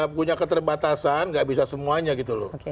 punya keterbatasan gak bisa semuanya gitu loh